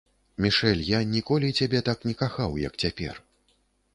Мішэль, я ніколі цябе так не кахаў, як цяпер.